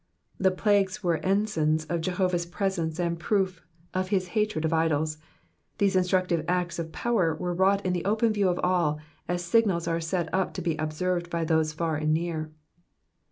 '''' The plagues were ensigns of Jehovah's presence and proofs of his hatred of idols; these instructive acts of power were wrought in the open view of all, as signals are set up to be observed by those far and near.